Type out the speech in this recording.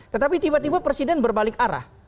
tetapi tiba tiba presiden berbalik arah